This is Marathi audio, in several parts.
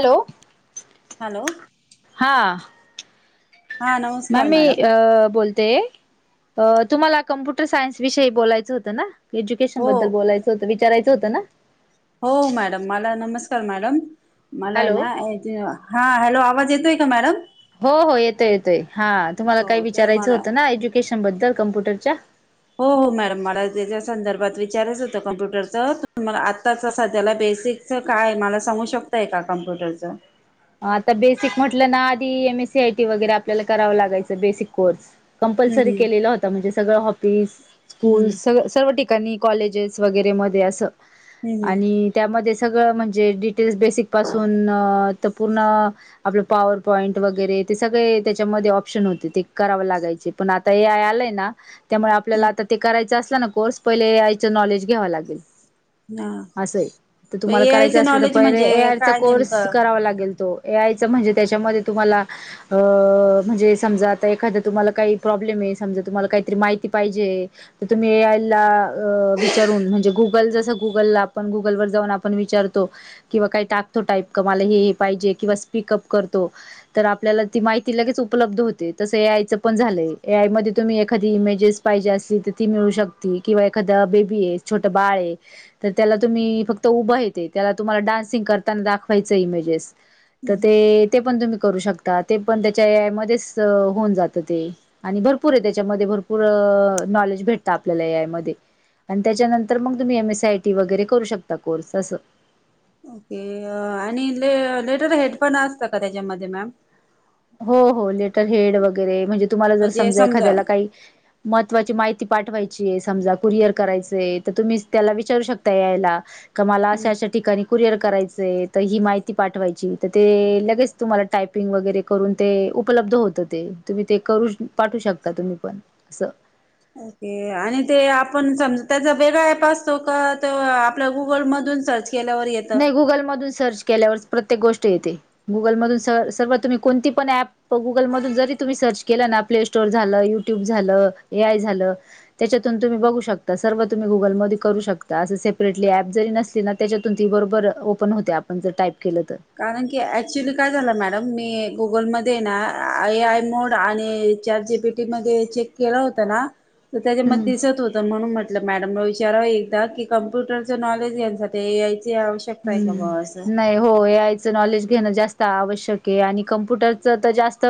हॅलो. हॅलो हा. हा मॅम नमस्कार मी मॅडम अ. बोलते. अ तुम्हाला कम्प्युटर सायन्स विषयी बोलायचं होतं ना? एज्युकेशन हो बदल बोलायचं होतं, विचारायचं होतं ना? हो मॅडम, मला नमस्कार मॅडम, मलाय हॅलो ना हे जे, हा. हॅलो. आवाज येतोय का मॅडम? हो हो येतोय येतोय हा. तुम्हाला हो काही तर विचारायचं मला होतं ना एज्युकेशन बद्दल कम्प्युटरच्या? हो हो मॅडम मला जे काय संदर्भात. विचारायच हुतं कम्प्युटर च मग आता च सध्याला ते. मीसिकच काय, मला सांगू शकताय का कम्प्युटर च. आता बेसिक म्हटलं ना आधी M. S. C. I T वगैरे आपल्याला करावं लागायचं बेसिक कोर्स. कम्पल्सरी हम्म केलेलं होतं म्हणजे सगळं ऑफिस स्कूल हम्म स सर्व कणी कॉलेजेस वगैरे मध्ये असं. हम्म हम्म अणि त्यामधेच. सगळं म्हणजे डिटेल्स बेसिक पासून अ... त. पूर्ण आपलं पॉवर पॉईंट वगैरे ते सगळे त्याच्यामध्ये ऑप्शन होते ते करावं लागायचे पण आता हे आलंय ना. त्यामुळे आपल्याला आता ते करायचं असल ना कोर्स. पहिले यायचं नॉलेज घ्याव लागेल. हम्म असंय तर हा तुम्हाला ए करायचं आयचं असलं तर नॉलेज पहिले म्हणजे ए. आय. चा काय कोर्स नेमकं करावा लागेल ए आय च म्हणजे त्याच्यामधे तुम्हाला, अ म्हणजे समजा त एखाद तुम्हाला काही प्रॉब्ल प्रॉब्लेमय समजा तुम्हाला कायतरी पाहिजेय, तर तुम्ही ए आय ला अ.. विचारून म्हणजे गूग पण जस गूगलला आपण, गूगल वर जावुन आपण विचारतो. किंवा काही टाकतो टाइप क मला हे हे [unintelligible] पाहिजे किंवा स्पीकअप करतो. तर आपल्याला ती माहिती लगेच उपलब्ध होते. तसं ए आय च पण झाल लंय. ए आय मधे तुम्ही एखादी इमेजेस पाहिजे असेल तर, ती मिळू शकती. किंवा एखाद्या बेबीये, छोटं बा ळय तर त्याला तुम्ही, फक्त उभंय ते त्याला तुम्हाला, डान्सिंग करताना दाखवायच इमेजेस तर ते ते पण तुम्ही करू शकता. ते पण त्याच्या ए आय मध्येच होऊन जात ते. आणि भरपूरय त्याच्यामध्ये, भरपूर नॉलेज भेटत, आपल्याला यामध्ये. आणि त्याच्यानंतर मग तुम्ही, एम. एस. आय टी वगैरे करू शकता कोर्स असं. अ आणि ले लेटर हेड पण असत का त्याच्यामध्ये मॅम? हो, हो लेटर हेड वगैरे म्हणजे तुम्हाला जर म्हणजे समजा एखाद्याला हम्म काही, महत्त्वाची माहिती पाठवायची चिय. समजा कुरियर करायचय, तर तुम्ही त्याला विचारू शकता, ए आयला का मला अशा- अशा ठिकाणी कुरिअर करायचंय. तर ही माहिती पाठवायची. तर ते लगेच तुम्हाला टायपिंग वगैरे करून ते उपलब्ध होत ते. तुम्ही ते करू पाठू शकता तुम्ही पण. असं. ओके, आणि ते आपण समज त्याचा वेगळा ऍप असतो का? त्या आपल्या गुगलमधून सर्च केल्यावर येतं. नाही गुगलमधून सर्च केल्यावर प्रत्येक गोष्ट येते. गुगलमधून स सर्व तुम्ही कोणती पण ॲप, गुगलमधून जरी तुम्ही सर्च केलं ना, प्ले स्टोअर झालं, युट्यूब झालं, ए, आय. झालं त्याच्यातून तुम्ही बघू शकतात. सर्व तुम्ही गुगलमध्ये करू शकता. असं सेपरेटली ऍप जरी नसली ना, त्याज्यात ती बरोबर ओपन होते. आपण जर टाईप केलं तर. कारण की ऍक्च्युली काय झालं, मॅडम मी गुगलमध्ये ना आय, आय मोड आणि चार जी पी टी मध्ये चेक केला होता ना त्याच्या मध्ये हम्म. दिसत होतं. म्हणून म्हट मॅडमला विचाराव एकदा की, कम्प्युटरचं नॉलेज यांच्यासाठी ए आय च ते आवश्यकताय का बावा, अस. हम्म नाही हो ए आयचं नॉलेज घेणं जास्त आवश्यकय. आणि कंप्युटरच त जास्त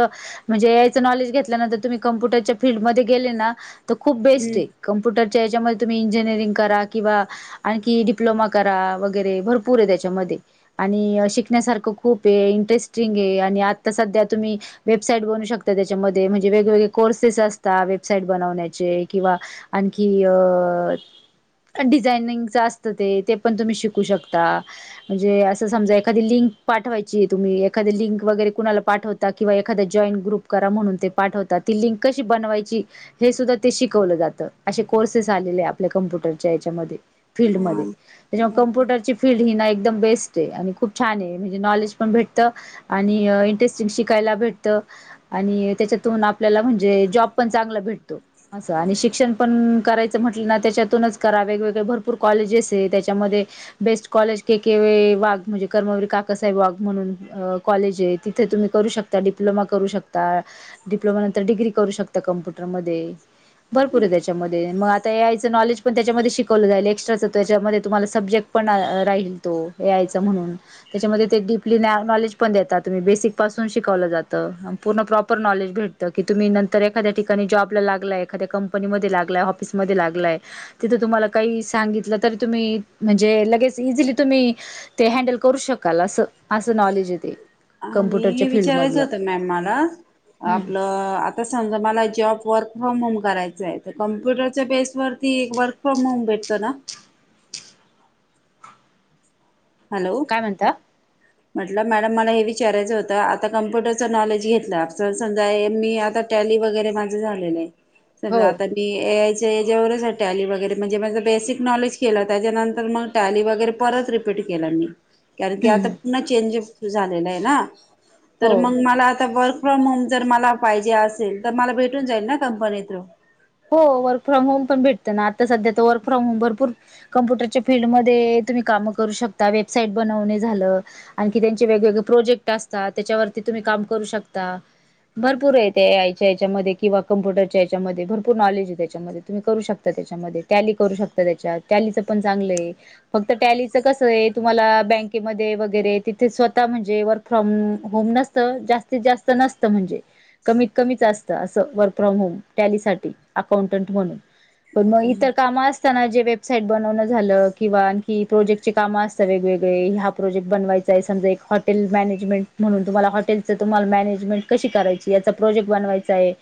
म्हणजे ए आयच नॉलेज घेतल्यानंत तुम्ही कम्प्युटरच्या फिल्डमध्ये गेले ना, तर खूप बेस्टय. कॉम्प्युटर त्याच्यामध्ये तुम्ही इंजिनिअरिंग करा, किंवा आणखी डिप्लोमा करा. वगैरे भरप पूरय, त्याच्यामध्ये आणि शिकण्यासारखं खूपय, इंटरेस्टिंगय आणि आता सध्या तुम्ही वेबसाईट बनू शकता त्याच्यामध्ये. म्हणजे वेगवेगळे कोर्सेस असता, वेबसाईट बनवण्याचे किंवा आणखी अ डिझायनिंगच असतं ते. ते पण तुम्ही शिकू शकता. ता. म्हणजे असं समजा, एखादी लिंक पाठवायची तुम्ही एखाद लिंक वगैरे कुणाला पाठवता किंवा एखाद्या जॉईन ग्रुप करा म्हणून पाठवतात. ती लिंक कशी बनवायची, हे सुद्धा शिकवल जात. त. असे कोर्सेस आलेले आपल्या कम्प्युटर याच्यामध्ये, फील्डमध्ये. हम्म त्याच्यामूळ हा. कम्प्युटरचे फिल्ड हे ना एकदम बेस्टय. आणि खूप छानय. नॉलेज पण भेटतं आणि इंटरेस्टिंग शिकायला भेट भेटतं. आणि त्याच्यातून आपल्याला म्हणजे जॉब पण चांगला भेटतो. असं, आणि शिक्षण पण पण करायचं म्हटलं ना, त्याच्यातूनच करा वेगवेगळे भरपूर कॉलेजेसय. त्याच्यामध्ये best college K. K. Wagh म्हणजे कर्मवीर काकासाहेब वाघ म्हणून कॉलेजय. तिथे तुम्ही कर शकता. डिप्लोमा करू शकता. डिप्लोमा नंतर डिग्री करू शकता कम्प्युटरमध्ये. भर भरपूर आहे त्याच्यामध्ये मग आता ए. आय चं नॉलेज पण त्याच्यामध्ये शिकवलं जाईल. एक्स्ट्राचं त्याच्यामध्ये तुम्हाला सब्जेक्ट पण राहील तो. ए आयचं म्हणून. त्याच्यामध्ये ते डीपली नॅ नॉलेज पण देतात. तुम्ही बेसिकपासून पासून शिकवलं जातं, अन प्रॉपर नॉलेज भेटतं. की तुम्ही नंतर एखाद्या ठिकाणी जॉबला लागला एखाद्या क कंपनीमध्ये लागलाय, ऑफिसमध्ये लागलाय, तिथे तुम्हाला काही सांगितलं तरी तुम्ही, म्हणजे जे लगेच इझिली तुम्ही ते, हँडल करू शकाल. असं, असं नॉलेज हे ते. आणि हे विचारायचं होतं मॅम मला, आपलं आता समजा मला जॉब वर्क फ्रॉम होम करायचय. तर कम्प्युटरच्या बेस वरती वर्क- फ्रॉम- होम भेटत ना? [unintelligible] हॅलो काय म्हणता? म्हटलं मॅडम मला हे विचारायचं होतं. आता कम्प्युटरच नॉलेज घेतलं समजा मी आता. वगैरे माझं झालेलं आहे. सगळं हो आता मी ए आय पी त्याच्यावरच टॅली वगैरे म्हणजे माझ बेसिक नॉलेज केलं त्याच्यानंतर टॅली वगैरे पणरत. कट केला मी. कारण की हम्म आता हम्म पुन्ह चेंजेस झालेला आहे ना. तर हो मग मला आता फ्रॉम होम जर मला पाहिजे असेल तर मला भेटून जाईल ना कंपनी तून. हो वर्क फ्रॉम होम पण भेटत ना. आता सध्या तर वर्क फ्रॉम होम भरपूर कम्प्युटरच्या फीलल्डमध्ये. तुम्ही काम करू शकता. वेबसाईट बनवणे झालं. आणखी त्याचे वेगवेगळे प्रोजेक्ट असतात. त्याच्यावरती तुम्ही कामू शकता. भरपूरय त्या याच्यामध्ये. किवा कंप्युटरच्या याच्यामध्ये. नॉलेज त्याच्या तुम्ही करू शकता. त्याच्यामध्ये करू शकता. त्याच्या टॅलीच पण चांगलं आहे. फक्त टॅलीच कस आहे. तुम्हाला बँकेमध्ये वगैरे तिथे स्वतः म्हणजे वर्क फ्रॉम होम ना जास्तीत-जास्त नसत म्हणजे. कमीत-कमीच असत वरफ्रॉम होम. अस टॅलीसाठी. अकाउंटंट म्हणुन त्यांना इतर काम असत ना जे वे वेबसाईट बनवणं झालं किंवा आणखी प्रोजेक्टचे कामं असतात वेगवेगळे हा प्रोजेक्ट बनवायचा आहे समजा एक हॉटल मॅनेजमेंट म्हणून तुम्हाला हॉटेलचं तुम्हाला मॅनेजमेंट कशी करायचीय याचा प्रोजेक्ट बनवायचा आहे.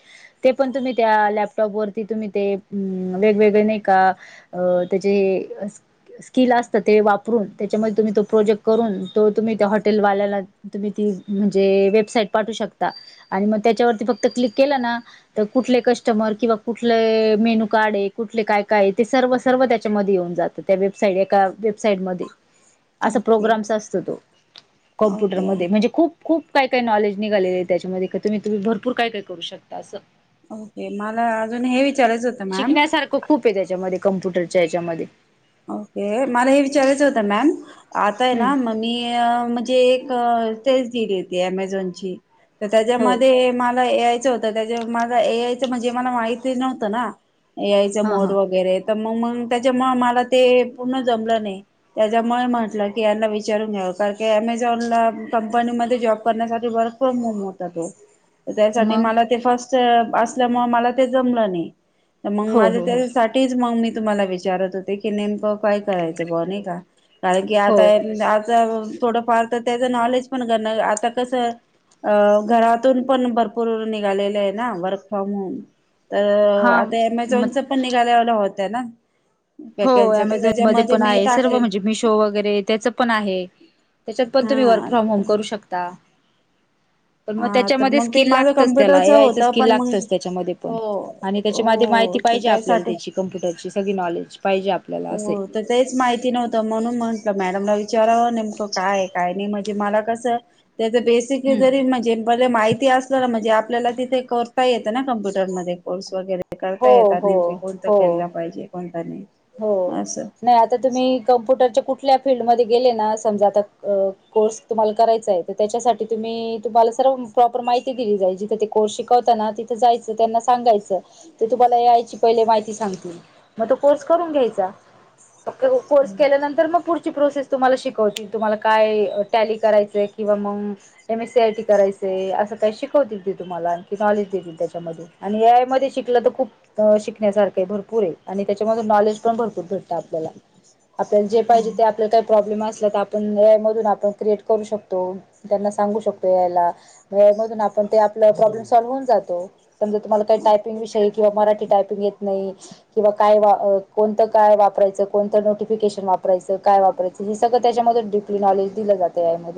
ते पण तुम्ही त्या लप टॉप वरती तुम्ही ते अ वेगवेगळे नाही का त्याचे अस स्किल असतं ते वापरून त्याच्यामध्ये तुम्ही तो प्रोजेक्ट करून तो तुम्ही त्या हॉटेलवाल्याला तुम्ही ते म्हणजे वेबसाईट पाठवू शकता आणि मग त्याच्यावरती फक्त क्लिक केलं ना तर कुठले कस्टमर किंवा कुठले मेनू कार्ड आहे कुठले काय-काय ते सर्व-सर्व त्याच्यामध्ये येऊन जातं त्या वेबसाईट एका वेबसाईट मध्ये असा ओके प्रोग्रामस असतो तो कॉम्प्युटर ओके मध्ये म्हणजे खुप खूप काय-काय नॉलेज निघालेले आहे त्याच्यामध्ये तुम्ही, तुम्ही भरपूर काय-काय करू शकता असं. ओके. मला अजून हे विचारायचं होतं मॅम कंम्प्युटरच्या हेच्यामध्ये ओके. मला हे विचारायचं होतं मॅम आता आहे हम्म, ना मग मी म्हणजे टेस्ट दिली होती अमेझॉन ची हो त्याच्यामध्ये मला ए आय त्याच माझ ए आयच म्हणजे मला माहिती नव्हतं ना ए आयच हां मोद हां वगैरे आहेत. मग मंग त्याच्या मुळ मला ते पूर्ण जमलं नाही त्याच्या मुळे म्हटलं की यांना विचारून घ्यावं कारण की अमेझॉनला कंपनीमध्ये जॉब करण्यासाठी वर्क फ्रॉम होम होता तो. त्यासाठी मग मला ते फर्स्ट असल्यामुळे मला ते जमलं नाही. मग हो माझं हो हो त्याच्यासाठीच मग मी तुम्हाला विचारत होते की कि नेमकं काय करायचं बुआ नाही का कारण की हो आता-आता थोडंफार तर त्याचं नॉलेज पण करण आता कसं अ.. घरातून पण भरपूर निघालेले आहे ना वर्क फ्रॉम होम. तर हां आता मग अमेझॉनच पण निघाल्यावल होत ना. हो वॅकन्सी तर अमेझॉनमध्ये त्याच्यामध्ये पण मी आहे सर्व टाकले म्हणजे मिशो वगैरे त्याचं पण आहे. त्याच्यात पण तुम्ही वर्क हा. फ्रॉम होम करू शकता. पण मग हा तर त्याच्यामध्ये मग ते स्किल माझं लागतच त्याच्या मध्ये पण, त्याला कम्प्युटरच ए आयच होतं स्किल पण मग लागतच त्याच्यामध्ये पण हो आणि त्याच्यामध्ये माहिती हो तर पाहिजे आपल्याला त्यासाठी त्याची कम्प्युटरची सगळी नॉलेज. पाहिजे आपल्याला असे हो. तर तेच माहिती नव्हतं म्हणून म्हंटलं मॅडम विचाराव नेमकं काय जरा काय आहे, काय तरनाही म्हणजे मला कसं त्याच बेसिकली हम्म जरी म्हणजे भले माहिती असलं ना म्हणजे आप आपल्याला तिथे एक करता येतं ना कम्प्युटरमध्येध्ये कोर्स वगैरे. ते करता हो येतात हो नेमके कोणतं हो केला, पाहिजे कोणता नाही हो. असं नाही आता तुम्ही कंम्प्युटरच्या कुठल्या फिल्डमध्ये गेले ना समजा आता कोर्स तुम्हाला करायचा आहे तर त्याच्यासाठी तुम्ही तुम्हाला सर्व प्रॉपर माहिती दिली जायची. जिथ ते कोर्स शिकवत ना तिथे जायचं, त्यांना सांगायचं ते तुम्हाला याय पहिले माहिती सांगतील, मग तो कोर्स करून घ्यायचा. परत कोर्स केल्यानंतर मग प्रोस तुमला शव तुम्हाला काय टॅ करायच किंवा मग एम एसआय टी कराय का शव तम न त्याच्याय श खप शण्यास भरपूर आहे आणि त्याच्या ण भ भ प्र् आपय मध आप क्रिएट करू शकतो त्यांना सांगू शकतो यायला पण ते आपला प्रॉब्लेम सॉल्व्ह होऊन जातो समजा तुम्हाला काही टायपिंग विषयी किंवा मराठी टायपिंग येत नाही किंवा काय कोणतं काय वापरायचं कोणतं नोटिफिकेशन वापरायचं काय वापरायचं हे सगळं त्याच्यामध्ये डडीपली नॉलेज दिलं जाते या म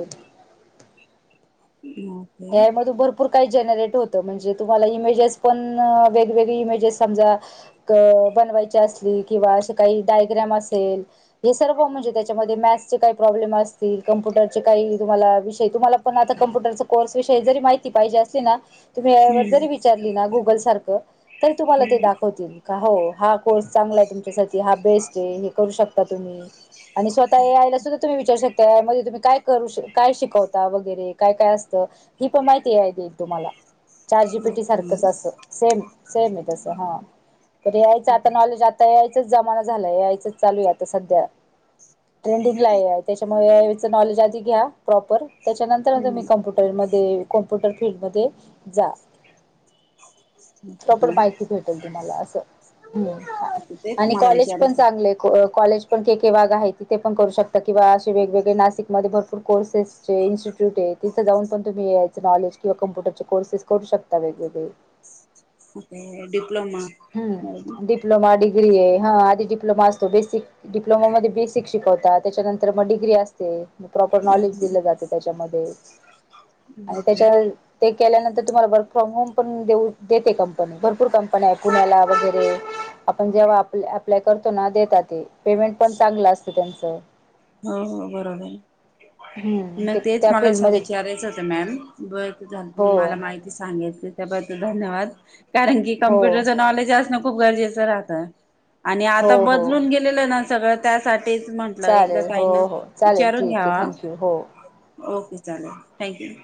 ओके काही जनरेट होत म्हणजे तुम्हाला इमेजेस पण वेगवेगळे इमेजेस समजा बनवायची असली कि काय मग डाय्गारमम असे सर्णे त्या ब्लेम असतील कम्प्युटरचे काही तुम्हाला विषय तुम्हाला पण आता कमपुटर कोर्स विषयी जरी माहिती पाहिजे असली ना तुम्ही या हम्म जरी विचारली ना गुगल सारखं तरी तुम्हाला ते हम्म दाखवतील का हो हा कोर्स चांगला आहे तुमच्यासाठी हा बेस्ट आहे हे करू शकतो तुम्ही आणि स्वतः यायला सुद्धा तुम्ही विचार शकता त्यामध्ये तुम्ही काय करू श काय शिकवता वगैरे काय काय अस ही पण माहिती आहे दे तुम्हाला चाटजी पेटी ओके सारखंच असं सेम सेम आहे तसं हा प यायचं आता नॉलेज आता या यायचाच जमाना झालाय यायचंच चालू आहे आता सध्या ट्रेंडिंगला त्याच्यामुळेच नॉलेज आधी घ्या प्रॉपर त्याच्यानंतर म हम्म कम्प्युटरमध्ये कॉम्प्युटर फील्ड मध्ये जा त ओके पण मॅम. माहिती भेटेल तुम्हाला असं ओके तेच आणि मला कॉलेज पण विचारायचं चांगले कॉलेज पण के के वाग आहे तिथे पण करू शकता किंवा असे वेगवेगळे नाशिकमध्ये भरपूर कोर्सेसचे इन्स्टिट्यूट आहेत तिथं जाऊन पण तुम्ही ए यायच नॉलेज किंवा कम्प्युटरचे कोर्सेस करू शकता वगवेगळे अ हम्म डिप्लोमा डिग्री आहे हा डिप्लोमा असतो बेसिक डिप्लोमा मध्ये बेसिक शिकवता त्याच्यानंतर मग डिग्री असते प्रॉपर नॉलेज हम्म दिलं जाते त्याच्यामध्ये हम्म आणि त्याच्या ओके ते केल्यानंतर तुम्हाला वर्क फ्रॉम होम ण देऊ देते कंपनी भरपूर कंपनी आहे पुण्याला वगैरे आपण जेव्हा आप अप्लाय करतो ना देेतात ते पेमेंट पण चांगलं असत त्यांचं हो हो बरोबर हम्म मग ते तेच त्या मला फील्डमध्ये विचारायचं होतं मॅम ब झा हो मी मला माहिती सांगेल त्या त्याबद्दल धन्यवाद कारण की हो कम्प्युटरच नॉलेज असणं खूप गरजेचं राहतं आणि हो आता हो बदलून गेलेलं ना सगळं त्यासाठीच म्हंटलं एक चालेल हो काही ना हो चालेल विचारून ठीक आहे घ्यावा थँक्यू हो ओके चालेल थँक यू